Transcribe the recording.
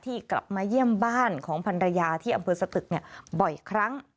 กลับมาเยี่ยมบ้านของพันรยาที่อำเภอสตึกบ่อยครั้ง